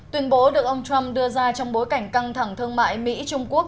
tuyên bố được ông trump đưa ra trong bối cảnh căng thẳng thương mại mỹ trung quốc